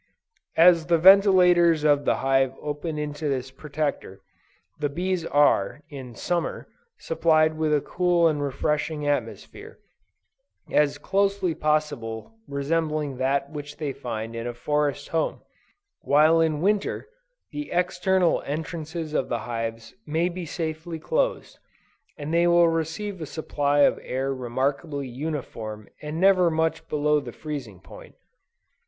As the ventilators of the hive open into this Protector, the bees are, in Summer, supplied with a cool and refreshing atmosphere, as closely as possible resembling that which they find in a forest home; while in Winter, the external entrances of the hives may be safely closed, and they will receive a supply of air remarkably uniform and never much below the freezing point.